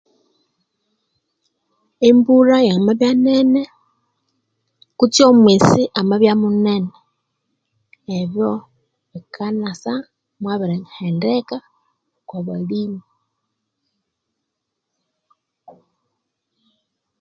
Embulha yababya nene kutse omwisi amabya munene ebyo bikanasa mwabirihendeka okwa balimi